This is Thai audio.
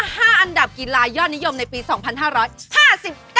ขัดมา๕อันดับกีฬายอดนิยมในปี๒๕๕๙ค่ะ